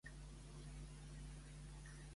Per a qui ha gravat discs?